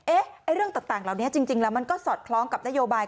เรื่องต่างเหล่านี้จริงแล้วมันก็สอดคล้องกับนโยบาย